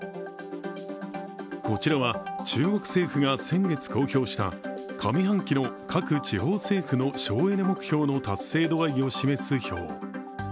こちらは中国政府が先月公表した上半期の各地方政府の省エネ目標の達成度合いを示す表。